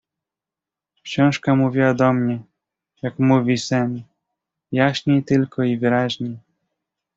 "Książka mówiła do mnie, jak mówi sen, jaśniej tylko i wyraźniej."